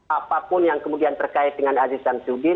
apapun yang kemudian terkait dengan aziz syamsuddin